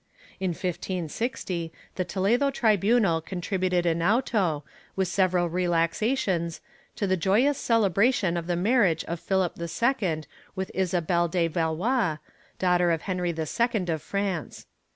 ^ In 1560, the Toledo tribunal contributed an auto, with several relaxa tions, to the joyous celebration of the marriage of Philip II with Isabelle de Valois, daughter of Henry II of France.